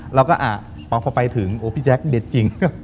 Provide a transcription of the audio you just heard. เราก็พอไปถึงโอ้พี่แจ๊คเด็ดจริง